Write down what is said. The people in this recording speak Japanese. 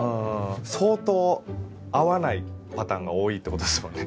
相当合わないパターンが多いってことですもんね。